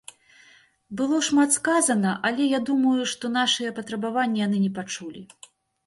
Было шмат сказана, але я думаю, што нашыя патрабаванні яны не пачулі.